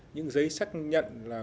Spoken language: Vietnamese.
những giấy xác nhận là nguồn tài liệu